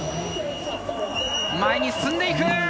前に進んでいく！